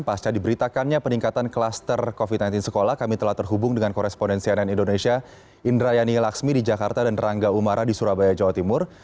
pasca diberitakannya peningkatan kluster covid sembilan belas sekolah kami telah terhubung dengan korespondensi ann indonesia indrayani laksmi di jakarta dan rangga umara di surabaya jawa timur